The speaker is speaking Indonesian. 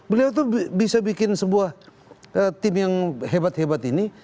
beliau tuh bisa bikin sebuah tim yang hebat hebat ini